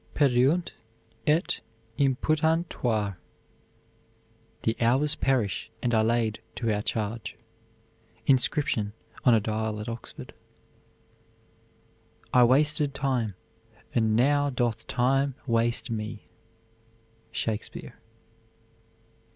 Periunt et imputantur, the hours perish and are laid to our charge. INSCRIPTION ON A DIAL AT OXFORD. I wasted time, and now doth time waste me. SHAKESPEARE.